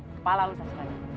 kepala lo sasarannya